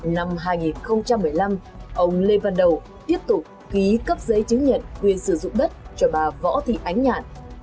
năm hai nghìn một mươi năm ông lê văn đầu tiếp tục ký cấp giấy chứng nhận quyền sử dụng đất cho bà võ thị ánh nhạn